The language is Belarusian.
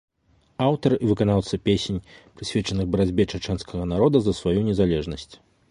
Аўтар і выканаўца песень прысвечаных барацьбе чачэнскага народа за сваю незалежнасць.